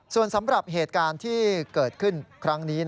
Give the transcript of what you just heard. ส่วนสำหรับเหตุการณ์ที่เกิดขึ้นครั้งนี้